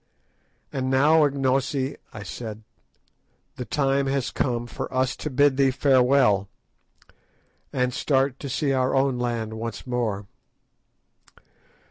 "And now, Ignosi," I said, "the time has come for us to bid thee farewell, and start to see our own land once more.